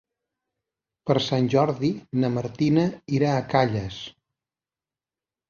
Per Sant Jordi na Martina irà a Calles.